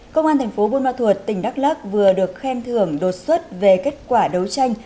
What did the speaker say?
công an tp bân ma thuột tỉnh đắk lắc vừa được khen thưởng đột xuất về kết quả đấu tranh